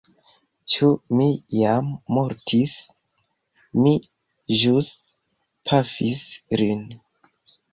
Ĉu mi jam mortis? Mi ĵus pafis lin.